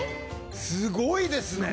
すごいですね！